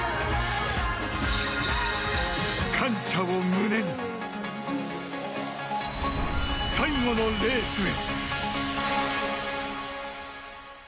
感謝を胸に、最後のレースへ！